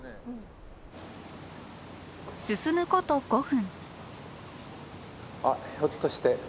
進むこと５分。